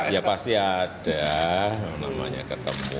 ya pasti ada namanya ketemu